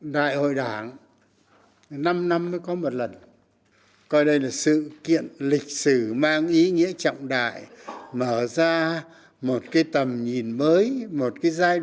đại hội đảng